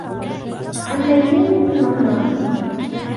عَنْ مَيْمُونِ بْنِ مِهْرَانَ